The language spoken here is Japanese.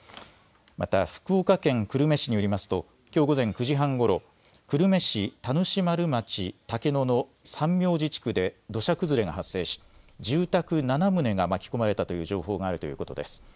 また福岡県久留米市によりますときょう午前９時半ごろ、久留米市田主丸町竹野の三明寺地区で土砂崩れが発生し住宅７棟が巻き込まれたという情報があるということです。